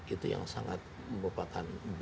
itu yang sangat memperkuatkan